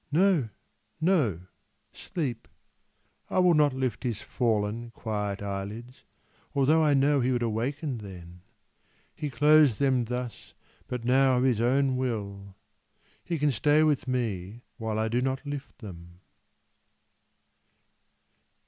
No, no; sleep. I will not lift his fallen, quiet eyelids, Although I know he would awaken then He closed them thus but now of his own will. He can stay with me while I do not lift them.'